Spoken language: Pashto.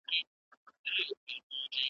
تور دېوان د شپې راغلي د رڼا سر یې خوړلی .